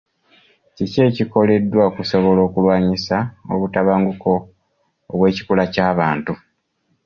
Kiki ekikoleddwa okusobola okulwanyisa obutabanguko obw'ekikula ky'abantu.